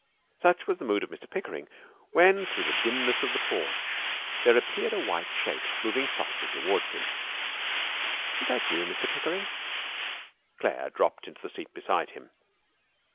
Such was the mood of Mr Pickering, when through the dimness of the porch there appeared a white shape, moving softly toward him. 'Is that you, Mr Pickering?' Claire dropped into the seat beside him.